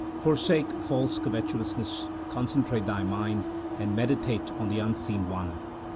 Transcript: Forsake false covetousness ; concentrate thy mind and meditate on the Unseen One.